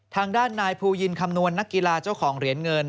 ทางด้านนายภูยินคำนวณนักกีฬาเจ้าของเหรียญเงิน